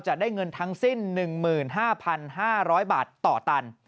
จะได้เงินทั้งสิ้น๑๕๕๐๐บาทต่อตัน